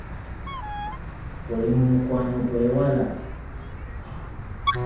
Oli mu mukwano gw'ewala?